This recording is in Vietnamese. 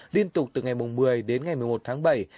liên tục từ ngày một mươi đến ngày một mươi một tháng bảy